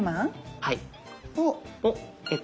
はい。